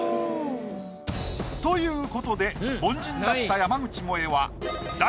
ということで凡人だった山口もえは。